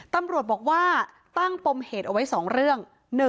ตำรวจบอกว่าตั้งปมเหตุเอาไว้๒เรื่อง